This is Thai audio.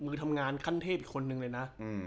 ทำงานขั้นเทพอีกคนนึงเลยนะ